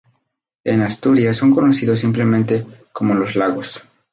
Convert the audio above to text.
En Asturias son conocidos simplemente como los lagos.